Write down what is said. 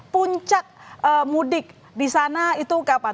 puncak mudik di sana itu kapan